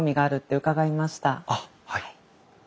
あっはい。